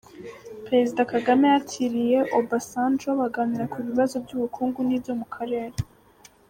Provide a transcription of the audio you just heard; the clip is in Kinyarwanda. Perezida Kagame yakiriye Obasanjo baganira ku bibazo by’ubukungu n’ibyo mu Karere